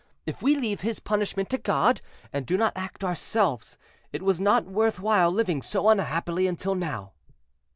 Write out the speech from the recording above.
If we leave his punishment to God, and do not act ourselves, it was not worth while living so unhappily until now."